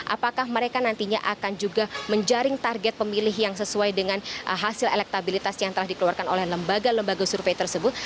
apakah mereka nantinya akan juga menjaring target pemilih yang sesuai dengan hasil elektabilitas yang telah dikeluarkan oleh lembaga lembaga survei tersebut